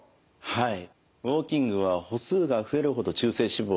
はい。